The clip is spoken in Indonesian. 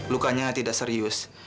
lukanya tidak serius